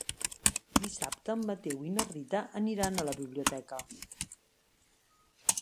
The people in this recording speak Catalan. Dissabte en Mateu i na Rita aniran a la biblioteca.